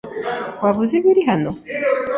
Waba uzi ibiri hano?